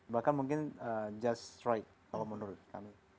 bahkan mungkin just troyek kalau menurut kami